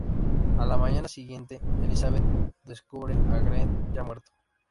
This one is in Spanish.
A la mañana siguiente, Elizabeth descubre a Greene ya muerto.